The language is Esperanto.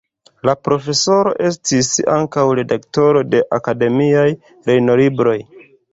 La profesoro estis ankaŭ redaktoro de akademiaj lernolibroj.